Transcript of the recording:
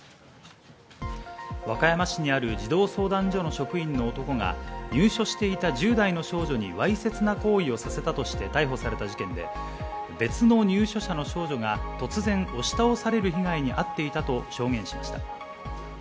和歌山市にある児童相談所の職員の男が入所していた１０代の少女にわいせつな行為をさせたとして逮捕された事件で、別の入所者の少女が突然、押し倒される被害にあっていたと証言しました。